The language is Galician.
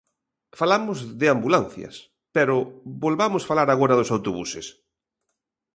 Falamos de ambulancias, pero volvamos falar agora dos autobuses.